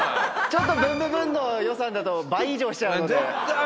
ちょっと『ブンブブーン！』の予算だと倍以上しちゃうので。